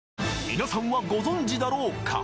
皆さんはご存じだろうか？